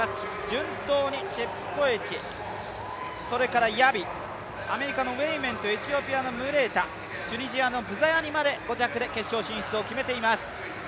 順当にチェプコエチ、ヤビ、アメリカのウェイメント、エチオピアのムレータチュニジアのブザヤニまで決勝進出を決めています。